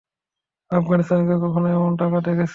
আপগানিস্তানে কখনো এমন টাকা দেখেছিস?